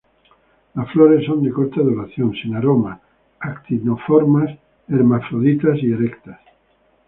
Las flores son de corta duración, sin aroma, actinomorfas, hermafroditas y erectas.